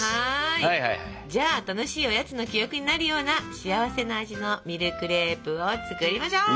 じゃあ楽しいおやつの記憶になるような幸せな味のミルクレープを作りましょう。